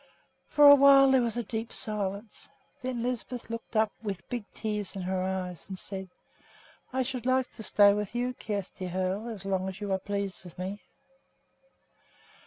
For a while there was a deep silence. Then Lisbeth looked up with big tears in her eyes and said, "I should like to stay with you, Kjersti Hoel, as long as you are pleased with me."